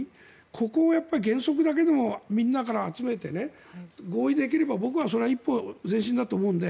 ここを原則だけでもみんなから集めて合意できれば僕はそれは一歩前進だと思うので。